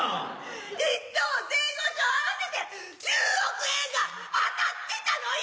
１等・前後賞合わせて１０億円が当たってたのよ！